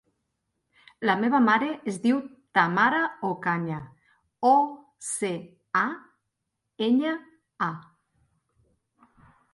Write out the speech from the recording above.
La meva mare es diu Tamara Ocaña: o, ce, a, enya, a.